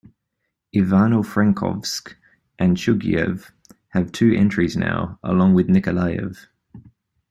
Ivano Frankovsk and Chuguyev have two entries now, along with Nikolayev.